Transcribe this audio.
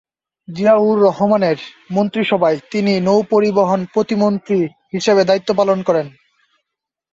জিয়াউর রহমানের মন্ত্রিসভায় তিনি নৌপরিবহন প্রতিমন্ত্রী হিসেবে দায়িত্ব পালন করেন।